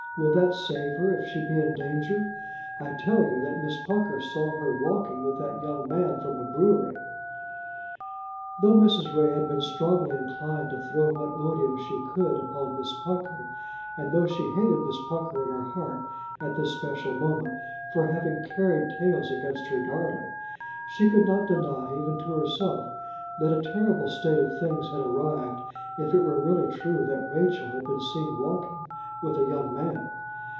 Will that save her if she be in danger? I tell you that Miss Pucker saw her walking with that young man from the brewery!" Though Mrs. Ray had been strongly inclined to throw what odium she could upon Miss Pucker, and though she hated Miss Pucker in her heart, at this special moment, for having carried tales against her darling, she could not deny, even to herself, that a terrible state of things had arrived if it were really true that Rachel had been seen walking with a young man.